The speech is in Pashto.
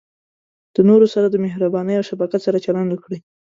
د نورو سره د مهربانۍ او شفقت سره چلند وکړئ.